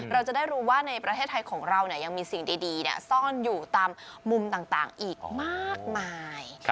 เราจะได้รู้ว่าในประเทศไทยของเรายังมีสิ่งดีซ่อนอยู่ตามมุมต่างอีกมากมาย